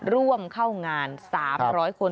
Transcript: ร่วมเข้างาน๓๐๐คน